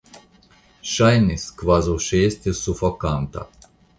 Ŝajnis, kvazaŭ ŝi estus sufokonta.